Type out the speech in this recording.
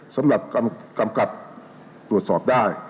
สำหรับกำกับตรวจสอบได้